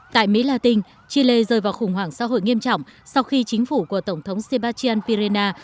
tại mỹ latin chile rơi vào khủng hoảng xã hội nghiêm trọng sau khi chính phủ của tổng thống sebastian pirena